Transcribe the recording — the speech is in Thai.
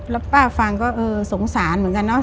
แล้วป้าฟังก็เออสงสารเหมือนกันเนอะ